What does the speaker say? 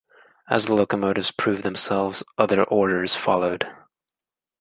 As the locomotives proved themselves other orders followed.